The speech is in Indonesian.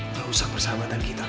terusak persahabatan kita kal